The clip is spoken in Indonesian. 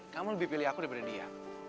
kamu lebih pilih aku daripada dia